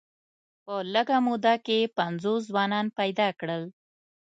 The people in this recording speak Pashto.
په لږه موده کې یې پنځوس ځوانان پیدا کړل.